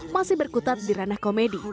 masih berkutat di ranah komedi